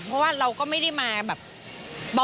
เพราะว่าเราก็ไม่ได้มาแบบ